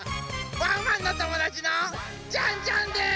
ワンワンのともだちのジャンジャンです！